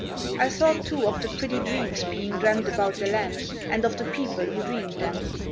I thought, too, of the pretty dreams being dreamt about the land, and of the people who dreamed them.